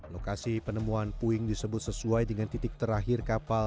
lokasi penemuan puing disebut sesuai dengan titik terakhir kapal